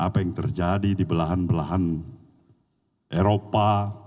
apa yang terjadi di belahan belahan eropa